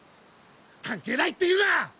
関係ないって言うな！